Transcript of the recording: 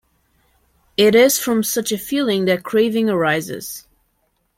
It is from such a feeling that "craving" arises.